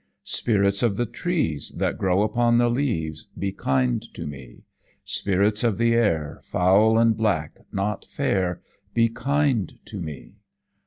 "Spirits of the trees That grow upon the leas, Be kind to me. "Spirits of the air, Foul and black, not fair, Be kind to me.